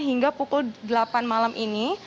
hingga pukul delapan malam ini